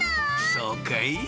そうかい？